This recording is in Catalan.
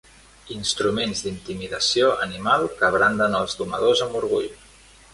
Instruments d'intimidació animal que branden els domadors amb orgull.